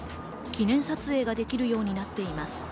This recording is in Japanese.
記念撮影ができるようになっています。